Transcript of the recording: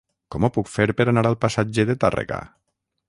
Com ho puc fer per anar al passatge de Tàrrega?